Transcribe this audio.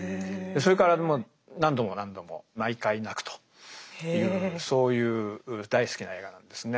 それからもう何度も何度も毎回泣くというそういう大好きな映画なんですね。